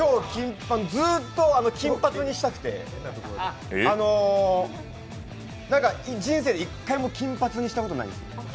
ずっと金髪にしたくて、人生で一回も金髪にしたことないんですよ。